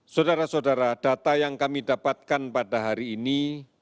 saudara saudara data yang kami dapatkan pada hari ini